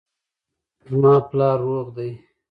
زما پلار روغ ده